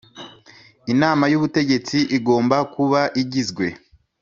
Inama y ubutegetsi igomba kuba igizwe